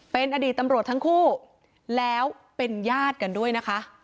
เป็นอดีตตำรวจทั้งคู่แล้วเป็นญาติกันด้วยนะคะ